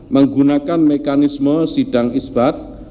menggunakan mekanisme sidang isbat